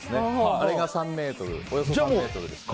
あれが、およそ３ｍですから。